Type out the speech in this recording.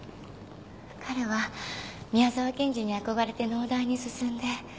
彼は宮沢賢治に憧れて農大に進んで。